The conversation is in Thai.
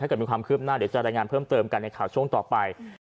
เกิดมีความคืบหน้าเดี๋ยวจะรายงานเพิ่มเติมกันในข่าวช่วงต่อไป